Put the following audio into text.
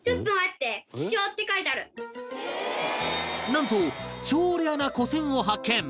なんと超レアな古銭を発見